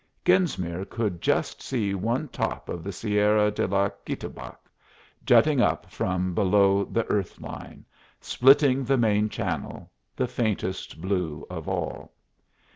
Genesmere could just see one top of the Sierra de la Quitabac jutting up from below the earth line, splitting the main channel, the faintest blue of all.